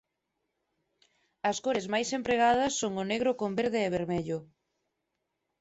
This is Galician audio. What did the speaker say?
As cores máis empregadas son o negro con verde e vermello.